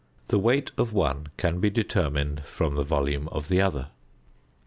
The weight of the one can be determined from the volume of the other.